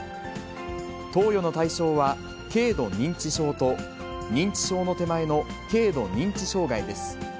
投与の対象は軽度認知症と認知症の手前の軽度認知障害です。